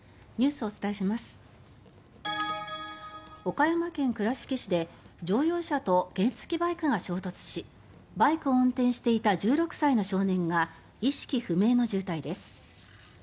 岡山県倉敷市で乗用車と原付きバイクが衝突しバイクを運転していた１６歳の少年が意識不明の重体です。